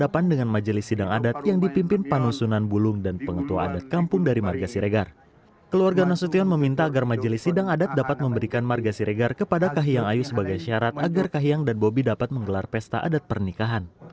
pemajelis sidang adat dapat memberikan margasiregar kepada kahiyang ayu sebagai syarat agar kahiyang dan bobi dapat menggelar pesta adat pernikahan